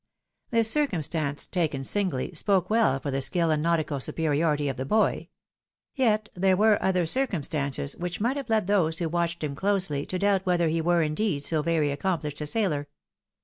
This circumstance taken singly, spoke well for the skill and nautical superiority of the boy ; yet there were other circvunstances which might have led those who watched him closely to doubt whether he were indeed so very accomphshed a sailor.